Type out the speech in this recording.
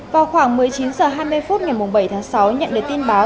vào khoảng một mươi chín h hai mươi phút ngày bảy tháng sáu nhận được tin báo